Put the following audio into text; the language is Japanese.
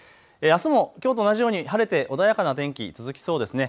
あすもきょうと同じように晴れて穏やかな天気、続きそうですね。